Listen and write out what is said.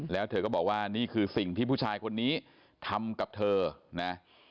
แล้วเธอก็บอกว่านี่คือสิ่งที่ผู้ชายคนนี้ทำกับเธอนะ